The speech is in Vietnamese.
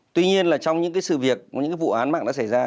tuy nhiên là trong những cái sự việc những cái vụ án mạng đã xảy ra